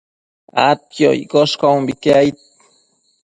adquioccosh caumbique aid